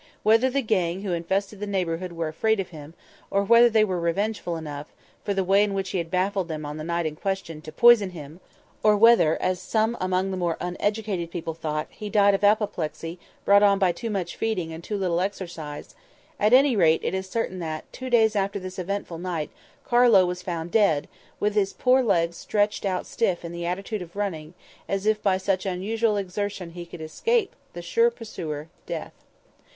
Whether the gang who infested the neighbourhood were afraid of him, or whether they were revengeful enough, for the way in which he had baffled them on the night in question, to poison him; or whether, as some among the more uneducated people thought, he died of apoplexy, brought on by too much feeding and too little exercise; at any rate, it is certain that, two days after this eventful night, Carlo was found dead, with his poor legs stretched out stiff in the attitude of running, as if by such unusual exertion he could escape the sure pursuer, Death.